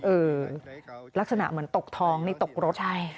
เออลักษณะเหมือนตกทองตกรถ